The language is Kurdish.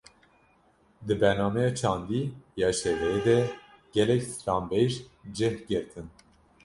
Di bernameya çandî ya şevê de gelek stranbêj cih girtin